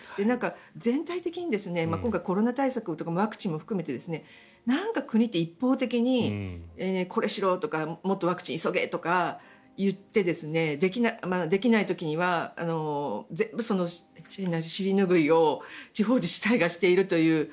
全体的に今回、コロナ対策とかワクチンも含めてなんか国って一方的にこれしろとかもっとワクチン急げとか言ってできない時には全部その尻拭いを地方自治体がしているという。